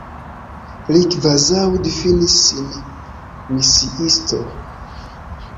Li kvazaŭ difinis sin misiisto.